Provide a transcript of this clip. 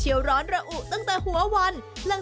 หนูเล็กนภาพพรโพสต์โพสต์ที่เข้ามาคอมเม้นต์อินสตาแกรม